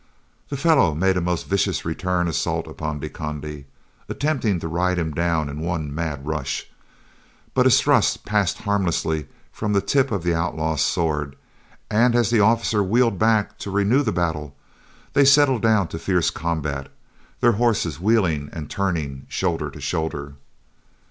The fellow made a most vicious return assault upon De Conde, attempting to ride him down in one mad rush, but his thrust passed harmlessly from the tip of the outlaw's sword, and as the officer wheeled back to renew the battle, they settled down to fierce combat, their horses wheeling and turning shoulder to shoulder.